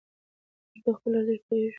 موږ د پوهې په ارزښت ښه پوهېږو.